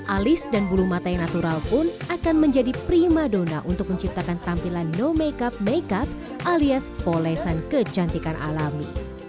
alis dan bulu mata yang natural pun akan menjadi prima dona untuk menciptakan tampilan no makeup makeup alias polesan kecantikan alami